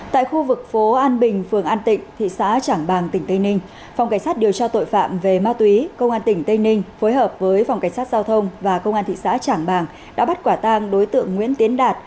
tại khu vực phố an bình phường an tịnh thị xã trảng bàng tỉnh tây ninh phòng cảnh sát điều tra tội phạm về ma túy công an tỉnh tây ninh phối hợp với phòng cảnh sát giao thông và công an thị xã trảng bàng đã bắt quả tang đối tượng nguyễn tiến đạt